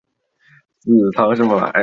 紫花橐吾是菊科橐吾属的植物。